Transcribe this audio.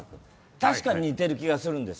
確かに似ている気がするんです。